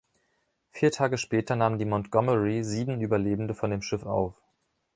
Vier Tage später nahm die „Montgomery“ sieben Überlebende von dem Schiff auf.